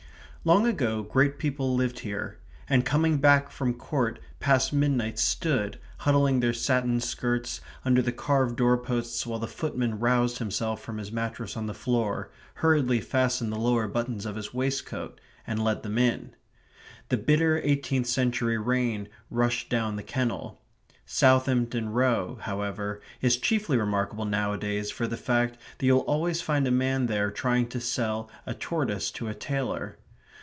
Long ago great people lived here, and coming back from Court past midnight stood, huddling their satin skirts, under the carved door posts while the footman roused himself from his mattress on the floor, hurriedly fastened the lower buttons of his waistcoat, and let them in. The bitter eighteenth century rain rushed down the kennel. Southampton Row, however, is chiefly remarkable nowadays for the fact that you will always find a man there trying to sell a tortoise to a tailor.